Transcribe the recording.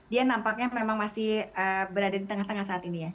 dia nampaknya memang masih berada di tengah tengah saat ini ya